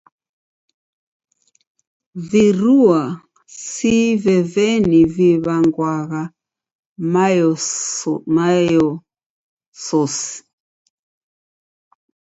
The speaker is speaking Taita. Virua si veveni viw'angwagha maosiyosi?